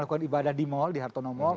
lakukan ibadah di mal di hartono mall